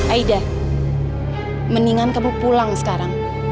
aida mendingan kamu pulang sekarang